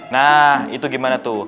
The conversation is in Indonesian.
nah itu gimana tuh